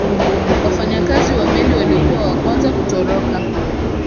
wafanyakazi wa meli walikuwa wa kwanza kutoroka